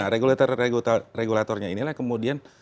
regulator regulatornya inilah kemudian